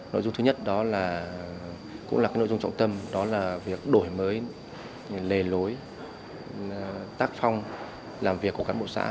nội dung thứ nhất đó là cũng là cái nội dung trọng tâm đó là việc đổi mới lề lối tác phong làm việc của cán bộ xã